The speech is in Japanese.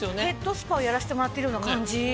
ヘッドスパをやらしてもらってるような感じ。